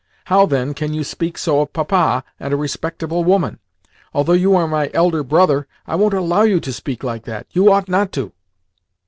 How, then, can you speak so of Papa and a respectable woman? Although you are my elder brother, I won't allow you to speak like that! You ought not to!"